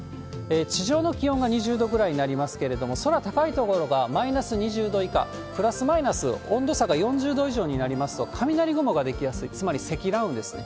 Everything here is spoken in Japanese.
地上の気温が２０度ぐらいになりますけれども、空高い所がマイナス２０度以下、プラスマイナス、温度差が４０度以上になりますと、雷雲が出来やすい、つまり積乱雲ですね。